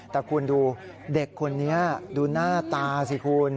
แต่คุณดูเด็กคนนี้ดูหน้าตาสิคุณ